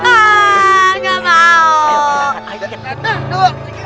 aaaaah nggak mau